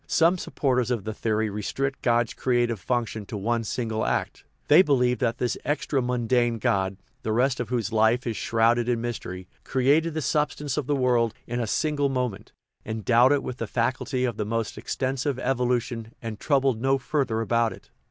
Some supporters of the theory restrict God's creative function to one single act; they believe that this extramundane God (the rest of whose life is shroud ed in mystery) created the substance of the world in a single moment, endowed it with the faculty of the most extensive evolution, and troubled no further about it.